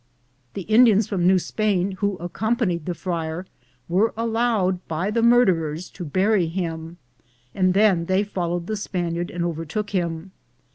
The Indians from New Spain who accompanied the friar were allowed by the murderers to bury him, and then they followed the Spaniard and over took him.